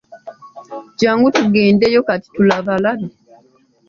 Jangu tugendeyo Kati tulabalabe